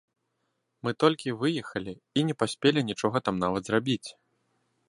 Мы толькі выехалі і не паспелі нічога там нават зрабіць.